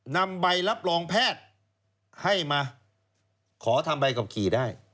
นำใบรับรองแพทย์ให้มาขอทำใบขับขี่ได้